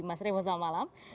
mas revo selamat malam